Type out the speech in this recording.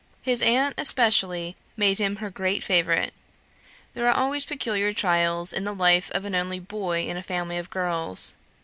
His aunt especially made him her great favourite. There are always peculiar trials in the life of an only boy in a family of girls.